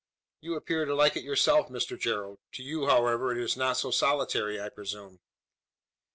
"You appear to like it yourself, Mr Gerald. To you, however, it is not so solitary, I presume?"